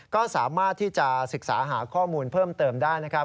ก็สามารถที่จะศึกษาหาข้อมูลเพิ่มเติมได้นะครับ